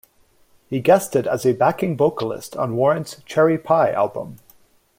He guested as a backing vocalist on Warrant's "Cherry Pie" album.